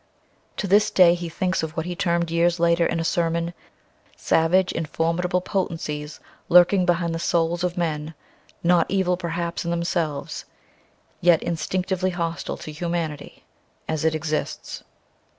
To this day he thinks of what he termed years later in a sermon "savage and formidable Potencies lurking behind the souls of men, not evil perhaps in themselves, yet instinctively hostile to humanity as it exists."